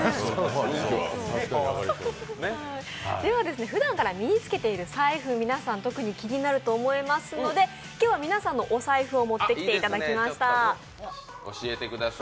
ではふだんから身に付けている財布、皆さん気になるとお思いますので今日は皆さんのお財布を持ってきていただきました。